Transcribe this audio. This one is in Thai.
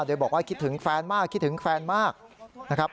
โดยบอกว่าคิดถึงแฟนมากคิดถึงแฟนมากนะครับ